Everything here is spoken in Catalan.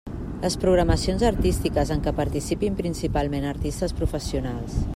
Les programacions artístiques en què participin principalment artistes professionals.